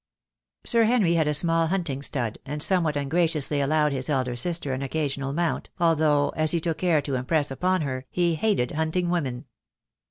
Sir Henry had a small hunting stud, and somewhat ungraciously allowed his elder sister an occasional mount, although, as he took care to impress upon her, he hated hunting women.